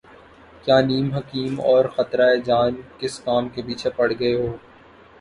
کہ نیم حکیم اور خطرہ جان ، کس کام کے پیچھے پڑ گئے ہو